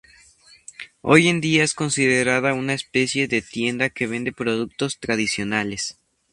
Hoy en día es considerada una especie de tienda que vende productos tradicionales.